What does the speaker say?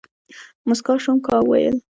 موسکا شوم ، کا ويل ،